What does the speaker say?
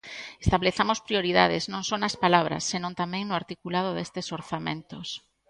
Establezamos prioridades non só nas palabras senón tamén no articulado destes orzamentos.